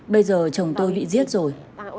bây giờ chồng tôi bị giết rồi